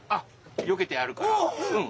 よけてあるからうん。